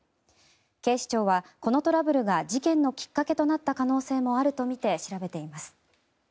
警視庁はこのトラブルが事件のきっかけとなった可能性もあるとみて調べています。